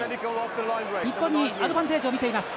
日本にアドバンテージをみています。